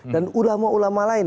dan ulama ulama lain